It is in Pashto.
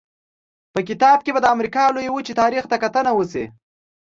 په کتاب کې به د امریکا لویې وچې تاریخ ته کتنه وشي.